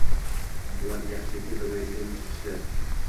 Ular yaxshilikni bilmaydigan chiqishdi.